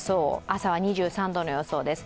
朝は２３度の予想です。